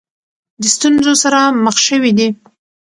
د ستونزو سره مخ شوې دي.